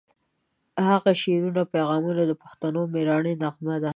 د هغه د شعرونو پیغامونه د پښتنو د میړانې نغمه ده.